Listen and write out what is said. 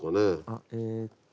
あっえっと